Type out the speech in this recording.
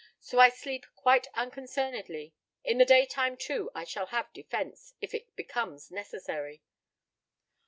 So I sleep quite unconcernedly. In the daytime, too, I shall have defense, if it becomes necessary."